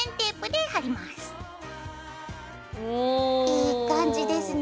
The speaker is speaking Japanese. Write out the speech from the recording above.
いい感じですね。